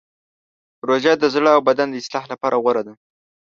روژه د زړه او بدن د اصلاح لپاره غوره ده.